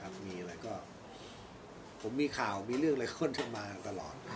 ผมมีข่าวมีเรื่องอะไรข้นมาตลอด